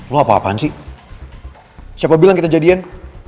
lo apa apaan sih siapa bilang kita jadian